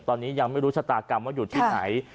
ตอนนี้ยังไม่รู้ชะตากรรมว่าอยู่ที่ไหน